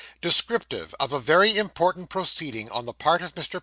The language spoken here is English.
DESCRIPTIVE OF A VERY IMPORTANT PROCEEDING ON THE PART OF MR.